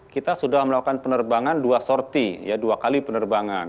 kita sudah melakukan penerbangan dua sorti ya dua kali penerbangan